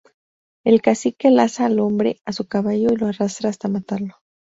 El cacique laza al hombre a su caballo y lo arrastra hasta matarlo.